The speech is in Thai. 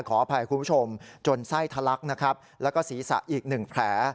ขออภัยคุณผู้ชมจนไส้ทะลักนะครับแล้วก็ศีรษะอีกหนึ่งแผล